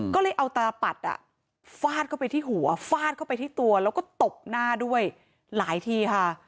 ก็เลยเอาตาปัดฟาดเข้าไปที่หัวฟาดเข้าไปที่ตัวแล้วก็ตบหน้าด้วยหลายทีค่ะ